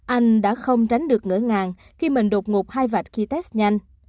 anh đã không tránh được ngỡ ngàng khi mình đột ngột hai vạch khí test nhanh